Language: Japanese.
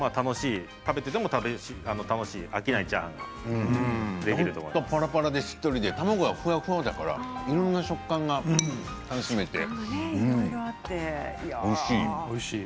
食べていても楽しい、飽きないパラパラでしっとりで卵はふわふわいろんな食感が楽しめておいしい。